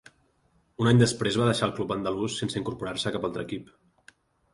Un any després, va deixar el club andalús, sense incorporar-se a cap altre equip.